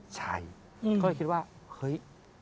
ใช่เขาก็คิดว่าเฮ้ย